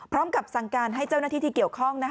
พร้อมกับสั่งการให้เจ้าหน้าที่ที่เกี่ยวข้อง